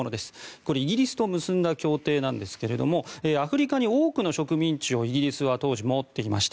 これはイギリスと結んだ協定なんですがアフリカに多くの植民地を持っていました。